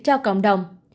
cho cộng đồng